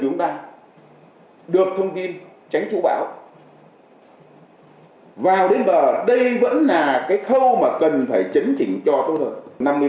chúng ta được thông tin tránh chú bão vào đến bờ đây vẫn là cái khâu mà cần phải chấn chỉnh cho chúng ta